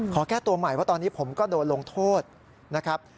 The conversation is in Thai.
ขอแก้ตัวใหม่เพราะตอนนี้ผมก็โดนลงโทษนะครับ